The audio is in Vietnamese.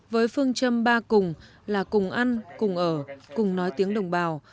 với phương châm ba cùng là cùng ăn cùng ở cùng nói tiếng đồng bào